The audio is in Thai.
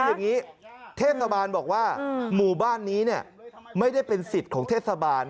คืออย่างนี้เทศบาลบอกว่าหมู่บ้านนี้ไม่ได้เป็นสิทธิ์ของเทศบาล